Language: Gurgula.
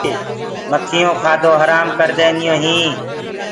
مکيونٚ ڪآدو هرآم ڪر دينديونٚ هينٚ۔